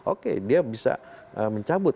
oke dia bisa mencabut